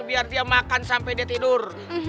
biar dia makan sampai dia tidur